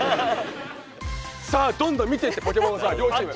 さあどんどん見てってポケモンをさ両チーム。